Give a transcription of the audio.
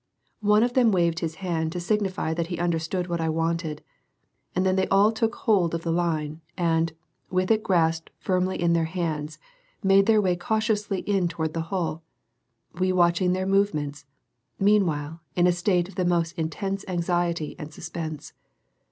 One of them waved his hand to signify that he understood what I wanted; and then they all took hold of the line, and, with it grasped firmly in their hands, made their way cautiously in toward the hull, we watching their movements, meanwhile, in a state of the most intense anxiety and suspense.